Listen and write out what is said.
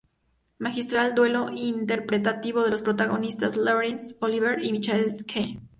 Magistral duelo interpretativo de los protagonistas Laurence Olivier y Michael Caine.